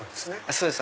そうです。